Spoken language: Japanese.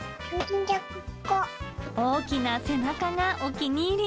大きな背中がお気に入り。